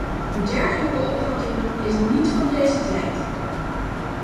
Een dergelijke opvatting is niet van deze tijd.